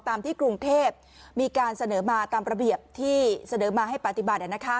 ตามที่กรุงเทพมีการเสนอมาตามระเบียบที่เสนอมาให้ปฏิบัติ